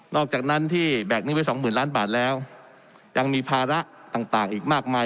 อกจากนั้นที่แบกนี้ไว้สองหมื่นล้านบาทแล้วยังมีภาระต่างอีกมากมาย